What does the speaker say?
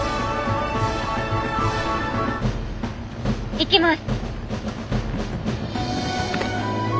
行きます。